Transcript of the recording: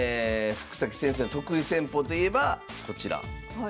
福崎先生の得意戦法といえばこちら。